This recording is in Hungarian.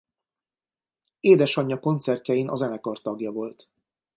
Édesanyja koncertjein a zenekar tagja volt.